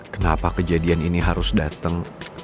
kenapa kejadian ini harus datang